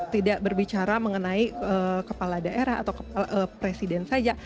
tidak berbicara mengenai kepala daerah atau presiden saja